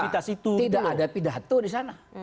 tidak ada pidato disana